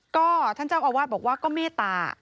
ก็ท่านเจ้าอาวาสบอกว่าก็เมตตา